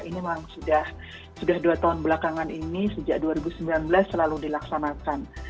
ini memang sudah dua tahun belakangan ini sejak dua ribu sembilan belas selalu dilaksanakan